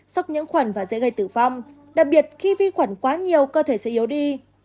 sốc nhiễm khuẩn và dễ gây tử vong đặc biệt khi vi khuẩn quá nhiều cơ thể sẽ yếu đi